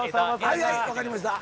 はいはい分かりました。